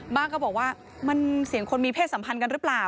ก็บอกว่ามันเสียงคนมีเพศสัมพันธ์กันหรือเปล่า